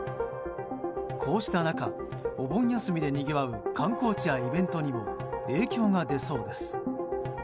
こうした中、お盆休みでにぎわう観光地やイベントにも影響が出そうです。